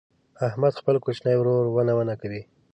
احمد خپل کوچنی ورور ونه ونه کوي.